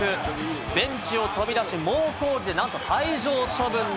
ベンチを飛び出し、猛抗議でなんと退場処分に！